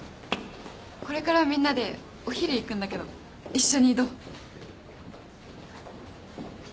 これからみんなでお昼行くんだけど一緒にどう？